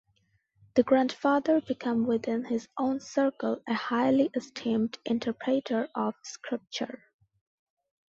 The grandfather became within his own circle a highly esteemed interpreter of Scripture.